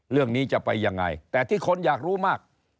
เรื่องนี้จะไปยังไงแต่ที่คนอยากรู้มาก